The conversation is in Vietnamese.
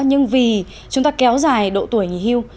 nhưng vì chúng ta kéo dài độ tuổi nghỉ hưu